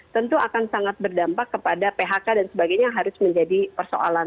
tentu akan sangat berdampak kepada phk dan sebagainya yang harus menjadi persoalan